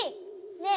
ねえ！